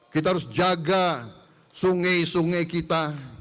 kita harus jaga sungai sungai kita